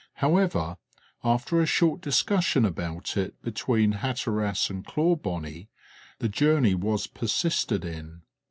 However, after a short discussion about it between Hatteras and Clawbonny, the journey was persisted in.